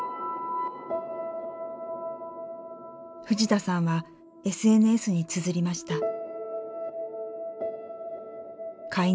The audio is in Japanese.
藤田さんはＳＮＳにつづりました。